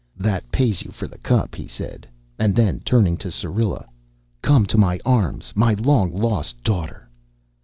"That pays you for the cup," he said. And then, turning to Syrilla: "Come to my arms, my long lost daughter!"